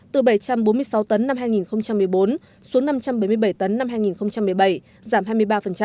từ bảy trăm bốn mươi sáu tấn năm hai nghìn một mươi bốn xuống năm trăm bảy mươi bảy tấn năm hai nghìn một mươi bảy giảm hai mươi ba